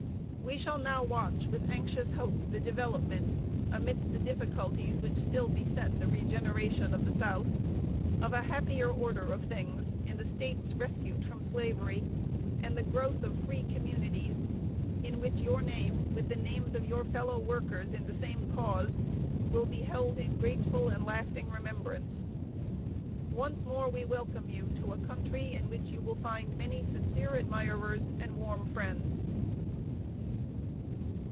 "We shall now watch with anxious hope the development, amidst the difficulties which still beset the regeneration of the South, of a happier order of things in the States rescued from slavery, and the growth of free communities, in which your name, with the names of your fellow workers in the same cause, will be held in grateful and lasting remembrance. "Once more we welcome you to a country in which you will find many sincere admirers and warm friends."